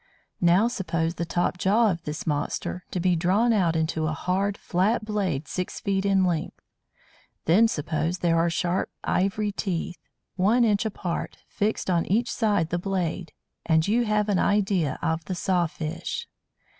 Now suppose the top jaw of this monster to be drawn out into a hard, flat blade six feet in length. Then suppose there are sharp ivory teeth, one inch apart, fixed on each side the blade, and you have an idea of the Saw fish.